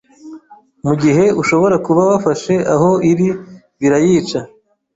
mu gihe ushobora kuba wafashe aho iri birayica.